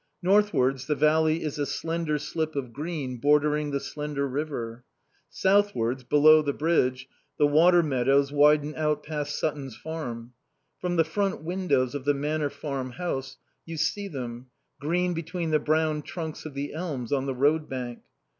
Northwards the valley is a slender slip of green bordering the slender river. Southwards, below the bridge, the water meadows widen out past Sutton's farm. From the front windows of the Manor Farm house you see them, green between the brown trunks of the elms on the road bank.